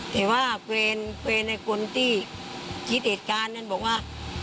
แต่ว่าเวรในคนที่คิดเหตุการณ์นั้นบอกว่า